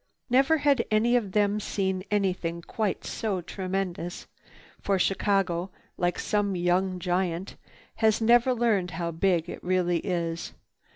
Never had any of them seen anything quite so tremendous, for Chicago, like some young giant, has never learned how big it really is.